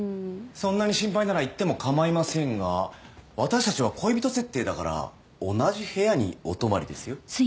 そんなに心配なら行ってもかまいませんが私たちは恋人設定だから同じ部屋にお泊まりですよ？